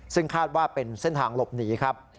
ซึ่งคาดว่าเป็นเส้นทางหลบหนีครับ